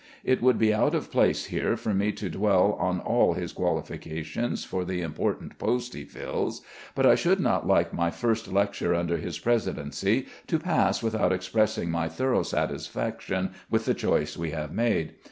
It would be out of place here for me to dwell on all his qualifications for the important post he fills, but I should not like my first lecture under his presidency to pass without expressing my thorough satisfaction with the choice we have made.